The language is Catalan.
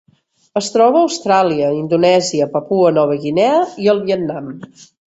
Es troba a Austràlia, Indonèsia, Papua Nova Guinea i el Vietnam.